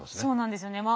そうなんですよね。